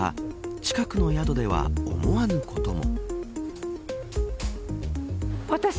近くの宿では思わぬことも。